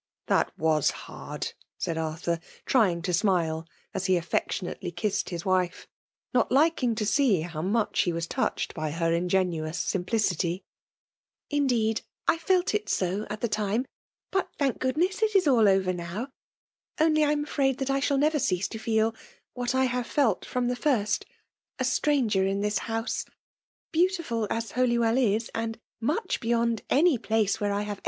''That wa$ hard!" said Arthur, frying to smile, as he affectionately kissed his wife, — 4£ FEVALE DomxKAfram. not likixeg her ta see liow mudi he fl«B ikmdkei by her ingennous iimplieity; " Indeed I feH it so, at the (time. But, •thank goodness, it is aU over now. OAj I Am a&aid that I fihaH never cease to A^ what I have tAt firom the &st, a stnoiger'te this house. Beautiful as Holywell is, 'aai much beyond any place where I have